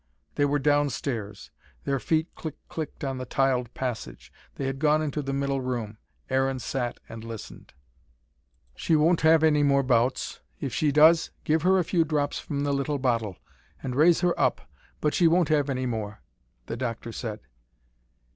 They were downstairs. Their feet click clicked on the tiled passage. They had gone into the middle room. Aaron sat and listened. "She won't have any more bouts. If she does, give her a few drops from the little bottle, and raise her up. But she won't have any more," the doctor said.